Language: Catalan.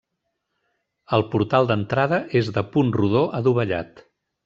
El portal d'entrada és de punt rodó adovellat.